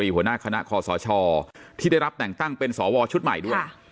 หัวหน้าคณะคอสชที่ได้รับแต่งตั้งเป็นสวชุดใหม่ด้วย